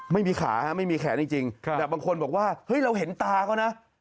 ไม่มีขาไม่มีแขนจริงแต่บางคนบอกว่าเฮ้ยเราเห็นตาเขานะ